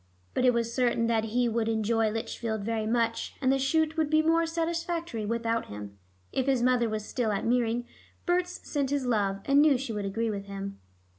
But it was certain that he would enjoy Lichfield very much, and the shoot would be more satisfactory without him. If his mother was still at Meering, Berts sent his love, and knew she would agree with him.